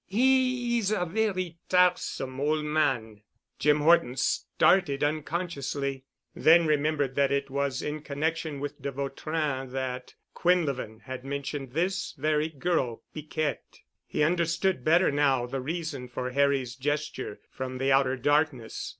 He is a very tiresome ol' man...." Jim Horton started unconsciously. Then remembered that it was in connection with de Vautrin that Quinlevin had mentioned this very girl Piquette. He understood better now the reason for Harry's gesture from the outer darkness.